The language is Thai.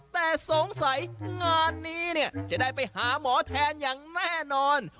แต่สงสัยงานนี้เนี่ยจะได้ไปหาหมอแทนอย่างแน่นอน